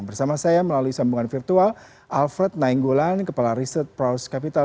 bersama saya melalui sambungan virtual alfred nainggolan kepala riset proust capital